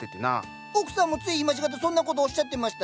奥さんもつい今し方そんな事おっしゃってましたよ。